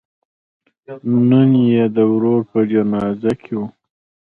نن یې د ورور په جنازه کې و.